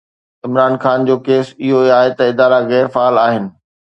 عمران خان جو ڪيس اهو آهي ته ادارا غير فعال آهن.